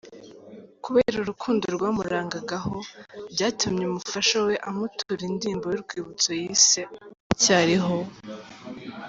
Kubera urukundo rwamurangagaho byatumye umufasha we amutura indirimbo y’urwibutso yise “Uracyariho”.